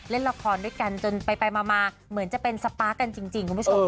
เล่นละครด้วยกันจนไปมาเหมือนจะเป็นสปาร์คกันจริงคุณผู้ชม